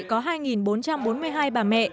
có hai bốn trăm bốn mươi hai bà mẹ